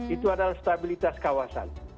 itu adalah stabilitas kawasan